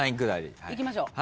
いきましょう。